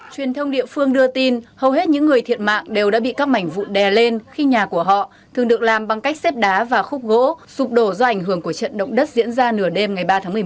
truyền thông địa phương đưa tin hầu hết những người thiệt mạng đều đã bị các mảnh vụ đè lên khi nhà của họ thường được làm bằng cách xếp đá và khúc gỗ sụp đổ do ảnh hưởng của trận động đất diễn ra nửa đêm ngày ba tháng một mươi một